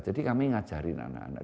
jadi kami ngajarin anak anak